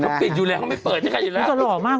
เขาปิดอยู่แล้วเขาไม่เปิดนี่ก็หล่อมาก